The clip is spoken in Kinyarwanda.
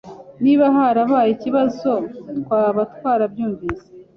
Niba harabaye ikibazo, twaba twarabyumvise.